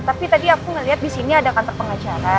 tapi tadi aku melihat di sini ada kantor pengacara